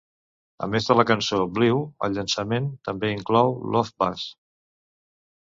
A més de la cançó "Blew", el llançament també inclou "Love Buzz".